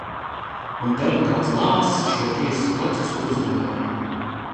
Un deputāts Lācis šo tiesas procesu uzvarēja.